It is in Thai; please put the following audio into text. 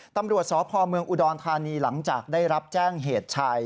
ตำรวจสพเมืองอุดรธานีหลังจากได้รับแจ้งเหตุชาย